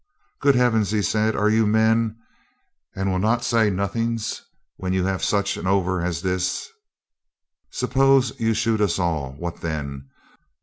'Good heafens!' he says, 'are you men, and will not say nodings when you haf such an ovver as dis? Subbose you shood us all, what then?